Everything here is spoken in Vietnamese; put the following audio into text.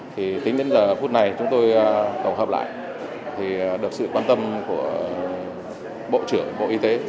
thì tính đến giờ phút này chúng tôi tổng hợp lại thì được sự quan tâm của bộ trưởng bộ y tế